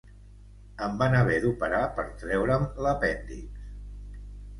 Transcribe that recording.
Em van haver d'operar per treure'm l'apèndix.